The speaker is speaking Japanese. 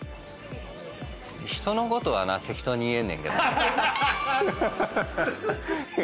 人のことはな適当に言えんねんけど。